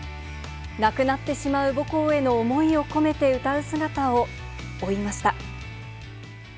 なくなってしまう母校への思いを込めて歌う姿を追いました。